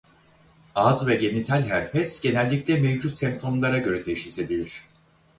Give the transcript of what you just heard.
Ağız ve genital herpes genellikle mevcut semptomlara göre teşhis edilir.